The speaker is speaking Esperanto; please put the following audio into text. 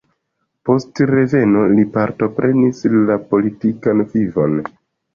Post reveno li partoprenis la politikan vivon.